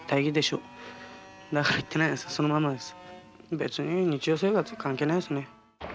別に日常生活に関係ないですね。